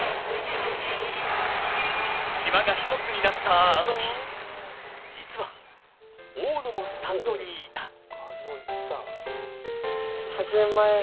島が一つになったあの日、実は大野もスタンドにいた。